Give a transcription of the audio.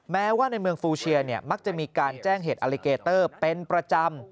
แม้ว่าในเมืองฟูเชียมักจะมีการแจ้งเหตุอลิเกเตอร์เป็นประจำ